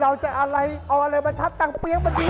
เราจะเอาอะไรมาทับต่างเปลี้ยงบ้างดี